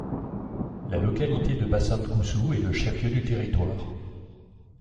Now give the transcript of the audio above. La localité de Basankusu est le chef-lieu du territoire.